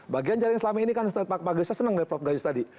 bagian jaringan selama ini kan pak gajusnya senang dari pak gajus tadi